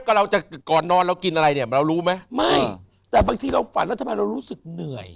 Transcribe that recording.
ก็เราจะก่อนนอนเรากินอะไรเนี่ยเรารู้ไหมไม่แต่บางทีเราฝันแล้วทำไมเรารู้สึกเหนื่อย